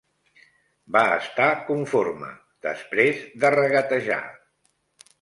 Va estar conforme, després de regatejar.